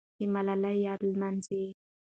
د ملالۍ یاد لمانځه.